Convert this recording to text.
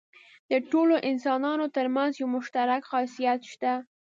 د ټولو انسانانو تر منځ یو مشترک خاصیت شته.